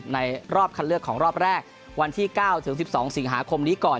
ในรอบคันเลือกของรอบแรกวันที่๙ถึง๑๒สิงหาคมนี้ก่อน